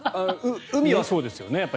海はそうですよね。